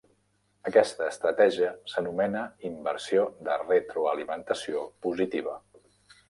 Aquesta estratègia s'anomena inversió de retroalimentació positiva.